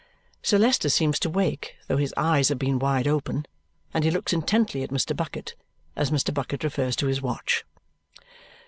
Sir Leicester seems to wake, though his eyes have been wide open, and he looks intently at Mr. Bucket as Mr. Bucket refers to his watch.